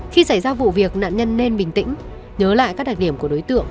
khi xảy ra vụ việc nạn nhân nên bình tĩnh nhớ lại các đặc điểm của đối tượng